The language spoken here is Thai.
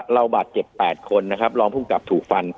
เราบาดเจ็บ๘คนนะครับรองภูมิกับถูกฟัน